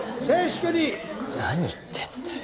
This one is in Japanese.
何言ってんだ？